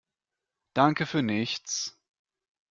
Danke für nichts!